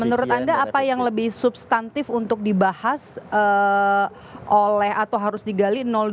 menurut anda apa yang lebih substantif untuk dibahas oleh atau harus digali dua